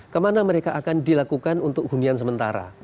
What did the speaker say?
kemana mereka akan dilakukan untuk hunian sementara